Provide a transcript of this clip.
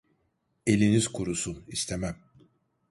Eliniz kurusun, istemem!